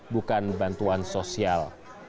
bukan bantuan sosial